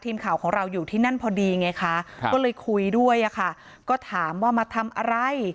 ทีมข่าวของเราอยู่ที่นั่นพอดีไงคะก็เลยคุยด้วยอะค่ะก็ถามว่ามาทำอะไร